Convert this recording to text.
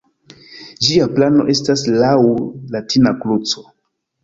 Ĝia plano estas laŭ latina kruco.